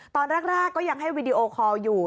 ตอนแรกก็ยังให้วีดีโอคอลอยู่